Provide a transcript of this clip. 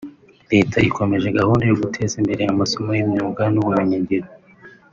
Leta ikomeje gahunda yo guteza imbere amasomo y’imyuga n’ubumenyingiro